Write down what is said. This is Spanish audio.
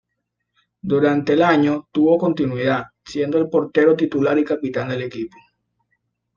Durante el año tuvo continuidad, siendo el portero titular y capitán del equipo.